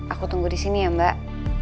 aku tunggu disini ya mbak